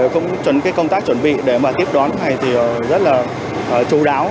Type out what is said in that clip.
cũng chuẩn công tác chuẩn bị để tiếp đón thầy rất là chú đáo